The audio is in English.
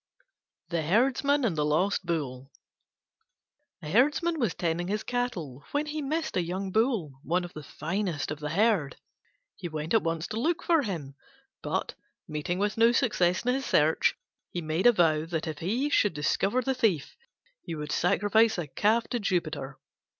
THE HERDSMAN AND THE LOST BULL A Herdsman was tending his cattle when he missed a young Bull, one of the finest of the herd. He went at once to look for him, but, meeting with no success in his search, he made a vow that, if he should discover the thief, he would sacrifice a calf to Jupiter.